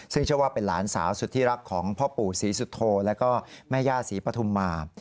ซึ่งชะว่าเป็นหลานสาวสุธิรักของพ่อปู่สีสุธโฑแล้วก็แม่ยาสีประทุมมา